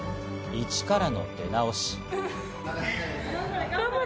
１からの出直し。